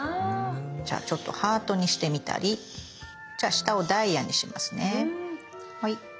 じゃあちょっとハートにしてみたりじゃあ下をダイヤにしますね。